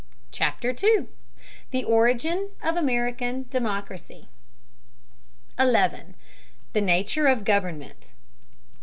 CHAPTER II THE ORIGIN OF AMERICAN DEMOCRACY 11. THE NATURE OF GOVERNMENT.